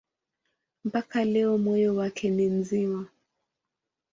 Mpaka leo moyo wake ni mzima.